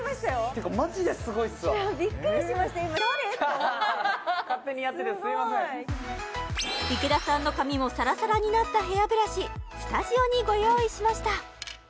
今池田さんの髪もサラサラになったヘアブラシスタジオにご用意しました